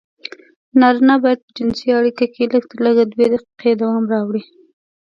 نارينه بايد په جنسي اړيکه کې لږترلږه دوې دقيقې دوام راوړي.